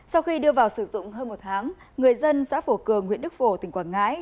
sau khi đưa vào sử dụng hơn một tháng người dân xã phổ cường huyện đức phổ tỉnh quảng ngãi